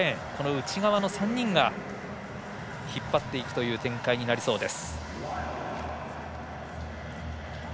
この内側の３人が引っ張っていくという展開になりそうです。